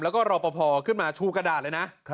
แล้วก็รอปภขึ้นมาชูกระดาษเลยนะ